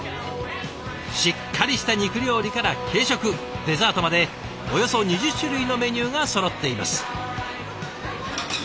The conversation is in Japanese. しっかりした肉料理から軽食デザートまでおよそ２０種類のメニューがそろっています。